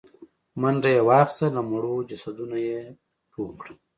منډه يې واخيسته، له مړو جسدونو يې ټوپ کړل.